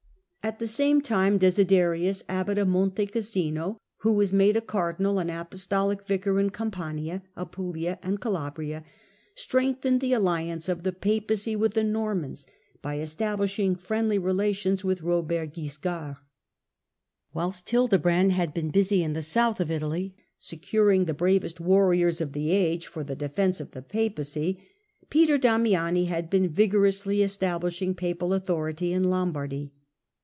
At the same time Desiderius, abbot of Monte Cassino, who was made a cardinal, and apostolic vicar in Campania, Apulia, and Calabria, strengthened the alliance of the Papacy with the Normans by estab lishing friendly relations with Robert Wiscard. Whilst Hildebrand had been busy in the south of Italy securing the bravest warriors of the age for the Peter defence of the Papacy, Peter Damiani had sent as becu vigorously establishing papal authority i^in in Lombardy.